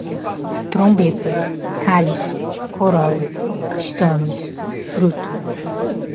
trombeta, cálice, corola, estames, fruto